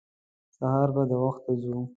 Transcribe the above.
سهار به د وخته ځو.